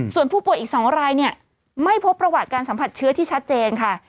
ส่วนผู้ป่วยอีก๒รายเนี่ยไม่พบประวัติการสัมผัสเชื้อที่ชัดเจนค่ะ